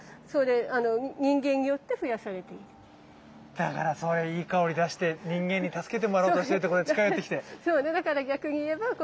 だからそういういい香り出して人間に助けてもらおうとしてこれ近寄ってきて。